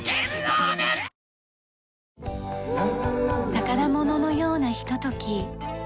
宝物のようなひととき。